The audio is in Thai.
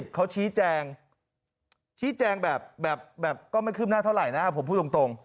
เขาชี้แจงชี้แจงแบบก็ไม่คืบหน้าเท่าไหร่นะผมพูดตรง